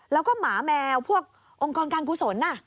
แล้วก็หมาแมวพวกองค์กรการกุศล